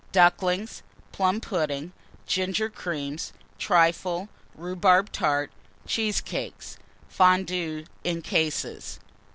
Ducklings. Plum pudding. Ginger Cream. Trifle. Rhubarb Tart. Cheesecakes. Fondues, in cases.